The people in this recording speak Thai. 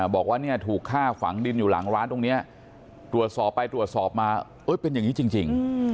บอกว่าเนี่ยถูกฆ่าฝังดินอยู่หลังร้านตรงนี้ตรวจสอบไปตรวจสอบมาเป็นอย่างนี้จริง